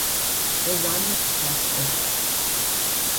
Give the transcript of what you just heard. They run with the crest erect.